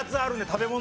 食べ物。